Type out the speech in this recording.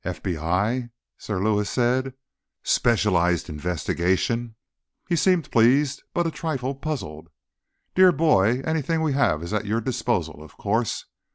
"FBI?" Sir Lewis said. "Specialized investigation?" He seemed pleased, but a trifle puzzled. "Dear boy, anything we have is at your disposal, of course.